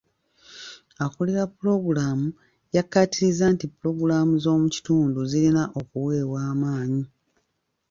Akuulira pulogulaamu yakkaatirizza nti pulogulaamu z'omukitundu zirina okuweebwa amaanyi.